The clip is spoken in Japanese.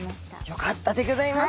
よかったでギョざいます。